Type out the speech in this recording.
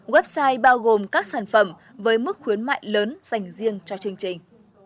website bao gồm các sản phẩm với mức khuyến mại lớn dành riêng cho chương trình